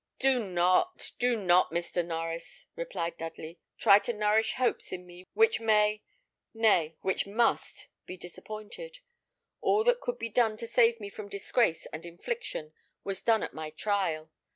"Do not, do not, Mr. Norries," replied Dudley, "try to nourish hopes in me which may nay, which must be disappointed. All that could be done to save me from disgrace and infliction was done at my trial.